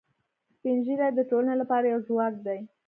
سپین ږیری د ټولنې لپاره یو ځواک دي